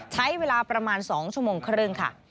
ใช้เวลาประมาณ๒ชั่วโมงครึ่งค่ะ